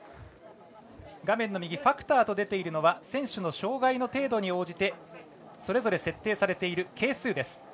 画面の右ファクターと出ているのは選手の障がいの程度に応じてそれぞれ設定されている係数です。